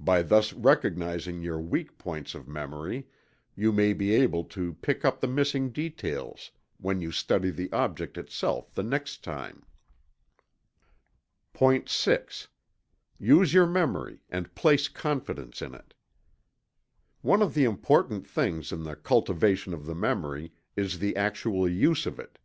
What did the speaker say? By thus recognizing your weak points of memory, you may be able to pick up the missing details when you study the object itself the next time. POINT VI. Use your memory and place confidence in it. One of the important things in the cultivation of the memory is the actual use of it.